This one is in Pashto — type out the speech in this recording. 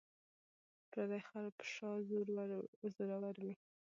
ـ پردى خر په شا زور ور وي.